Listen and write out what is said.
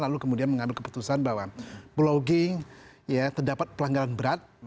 lalu kemudian mengadu keputusan bahwa pulau g terdapat pelanggaran berat